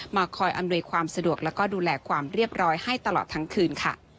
คอยอำนวยความสะดวกแล้วก็ดูแลความเรียบร้อยให้ตลอดทั้งคืนค่ะ